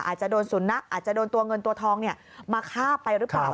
อาจจะโดนสุนัขอาจจะโดนตัวเงินตัวทองมาฆ่าไปหรือเปล่า